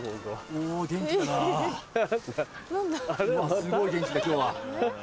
うわっすごい元気だ今日は。